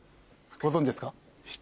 ご存じですか？